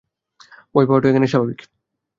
ভয় পাওয়াটাই এখানে স্বাভাবিক।